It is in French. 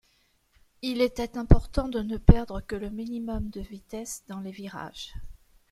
Il était important de ne perdre que le minimum de vitesse dans les virages.